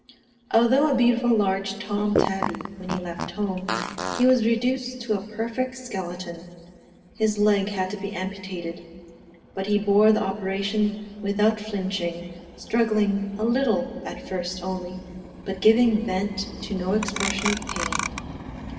Although a beautiful large Tom tabby when he left home, he was reduced to a perfect skeleton. His leg had to be amputated; but he bore the operation without flinching, struggling a little at first only, but giving vent to no expression of pain.